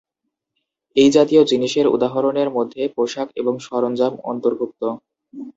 এই জাতীয় জিনিসের উদাহরণের মধ্যে পোশাক এবং সরঞ্জাম অন্তর্ভুক্ত।